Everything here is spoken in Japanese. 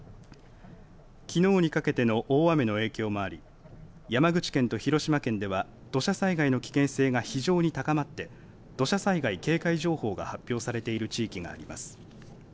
きのうにかけての大雨の影響もあり山口県と広島県では土砂災害の危険性が非常に高まって土砂災害警戒情報が発表されている地域があります。